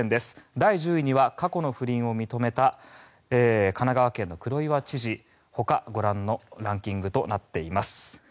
第１０位は過去の不倫を認めた神奈川県の黒岩知事ほか、ご覧のランキングとなっています。